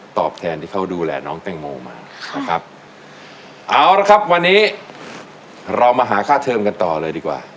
ตอบแทนที่เขาดูแลน้องแตงโมมานะครับเอาละครับวันนี้เรามาหาค่าเทิมกันต่อเลยดีกว่า